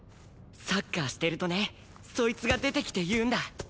サッカーしてるとねそいつが出てきて言うんだ。